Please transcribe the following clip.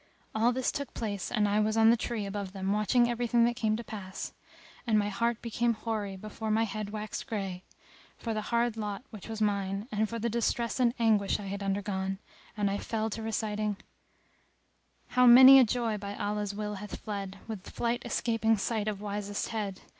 All this took place and I was on the tree above them watching everything that came to pass; and my heart became hoary before my head waxed grey, for the hard lot which was mine, and for the distress and anguish I had undergone, and I fell to reciting:— "How many a joy by Allah's will hath fled * With flight escaping sight of wisest head!